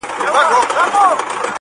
شیطان ګوره چي ایمان په کاڼو ولي,